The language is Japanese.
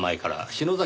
篠崎